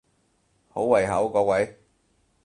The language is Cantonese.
好胃口各位！